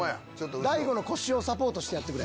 大悟の腰をサポートしてくれ。